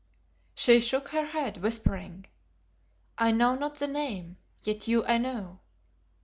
She shook her head, whispering "I know not the name, yet you I know."